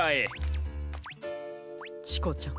チコちゃん。